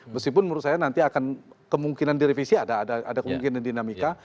meskipun menurut saya nanti akan kemungkinan direvisi ada kemungkinan dinamika